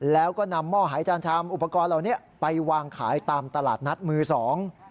แล้วก็นำหม้อหายจานชามอุปกรณ์เหล่านี้ไปวางขายตามตลาดนัดมือสอง